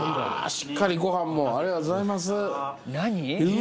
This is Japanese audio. しっかりご飯もありがとうございます